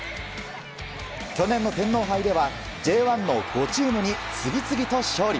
去年の天皇杯ではＪ１の５チームに次々と勝利。